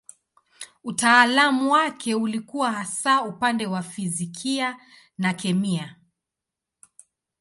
Utaalamu wake ulikuwa hasa upande wa fizikia na kemia.